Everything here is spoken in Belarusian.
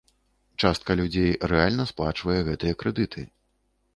Частка людзей рэальна сплачвае гэтыя крэдыты.